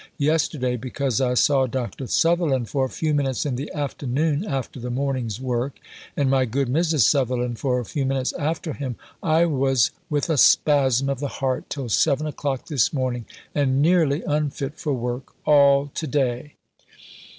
Yesterday because I saw Dr. Sutherland for a few minutes in the afternoon, after the morning's work, and my good Mrs. Sutherland for a few minutes after him, I was with a spasm of the heart till 7 o'clock this morning and nearly unfit for work all to day.